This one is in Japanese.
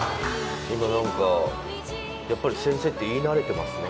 今何かやっぱり「先生」って言い慣れてますね。